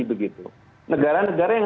begitu negara negara yang